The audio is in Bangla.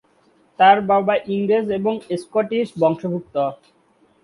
তার বাবা ইংরেজ এবং স্কটিশ বংশোদ্ভূত।